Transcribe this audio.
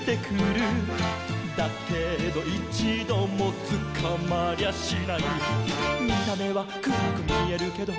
「だけどいちどもつかまりゃしない」「見た目はくらくみえるけど」